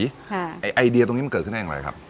ไอ้ไอเดียตรงนี้มันเกิดขึ้นได้อย่างไรครับ